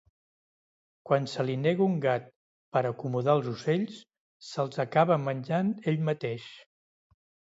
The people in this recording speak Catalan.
Quan se li nega un gat per acomodar els ocells, se'ls acaba menjant ell mateix.